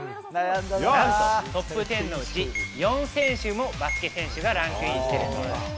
なんとトップ１０のうち、４選手もバスケ選手がランクインしているんです。